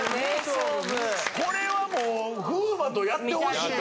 これはもう風磨とやってほしいよ。